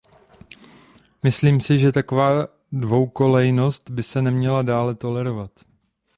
Myslím si, že taková dvoukolejnost by se neměla dále tolerovat.